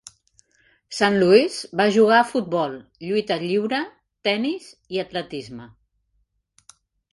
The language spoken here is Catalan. St.Louis va jugar a futbol, lluita lliure, tenis i atletisme.